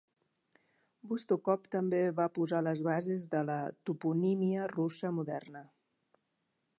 Vostokov també va posar les bases de la toponímia russa moderna.